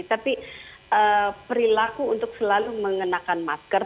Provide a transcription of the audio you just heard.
tapi perilaku untuk selalu mengenakan masker